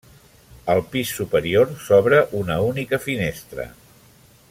Al pis superior s'obre una única finestra.